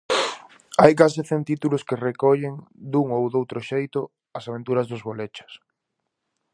Hai case cen títulos que recollen dun ou doutro xeito, as aventuras dos Bolechas.